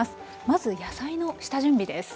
まず野菜の下準備です。